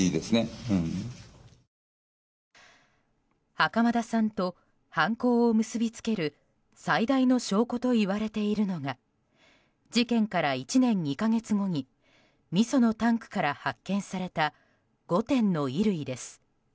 袴田さんと、犯行を結びつける最大の証拠と言われているのが事件から１年２か月後にみそのタンクから発見された５点の衣類です。